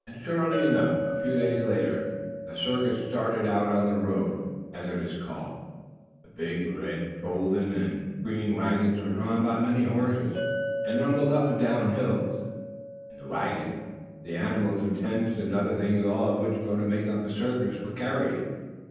And, surely enough, a few days later, the circus started out "on the road," as it is called. The big red, golden and green wagons were drawn by many horses, and rumbled up hill and down. In the wagons the animals and tents and other things, all of which go to make up a circus, were carried.